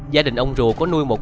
gia đình ông rùa có nuôi một con